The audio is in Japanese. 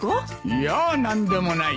いや何でもない。